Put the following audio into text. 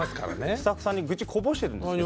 スタッフさんに愚痴こぼしてるんですけど。